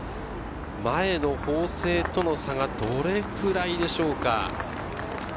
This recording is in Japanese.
前の法政との差がどれくらいでしょうか？